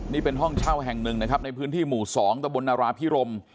นี่เป็นห้องเช่าแห่งหนึ่งนะครับในพื้นที่หมู่๒ตะบนนาราพิรม